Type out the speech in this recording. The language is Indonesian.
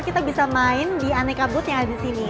kita bisa main di aneka booth yang ada di sini